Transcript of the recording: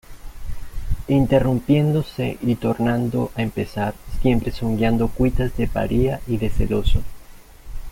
interrumpiéndose y tornando a empezar, siempre zongueando cuitas de paria y de celoso: